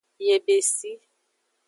Yebesi.